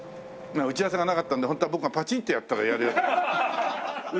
打ち合わせがなかったんでホントは僕がパチンってやったらやれよって嘘嘘嘘。